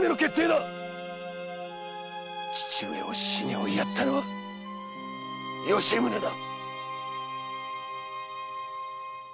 父上を死に追いやったのは吉宗だ！